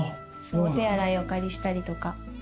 お手洗いお借りしたりとか。